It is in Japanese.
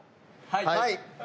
はい。